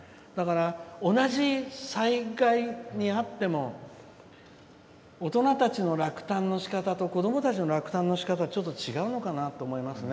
同じ災害に遭っても大人たちの落胆のしかたと子どもたちの落胆のしかたはちょっと違うのかなと思いますね。